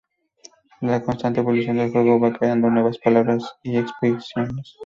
La constante evolución del juego va creando nuevas palabras y expresiones.